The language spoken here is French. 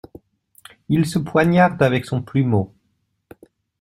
Il se poignarde avec son plumeau.